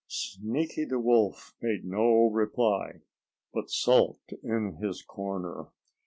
Sneaky the Wolf made no reply, but sulked in his corner.